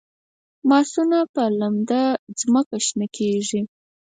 ماسونه په لنده ځمکه شنه کیږي